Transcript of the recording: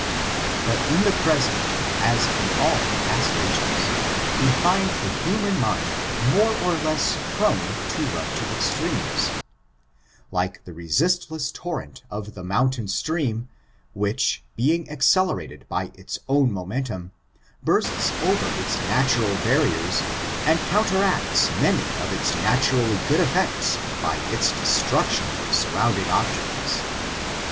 But in the present, as in all past ages, we find the human mind more or less prone to run to extremes. Like the reustless torrent of the mountain stream, which being accelerated by its own momentum, bursts ^^k^^^M^f^R ^^t^t^^^k^^f^f^f^^^ ON ABOLITIONISM. 441 oyer its natural barriers, and counteracts many of its naturally good effects by its destruction of surrounding objects.